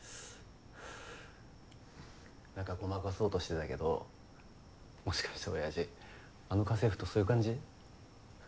何かごまかそうとしてたけどもしかして親父あの家政婦とそういうカンジ？